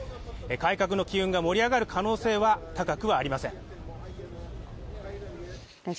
改革の機運が盛り上がる可能性は高くはありません。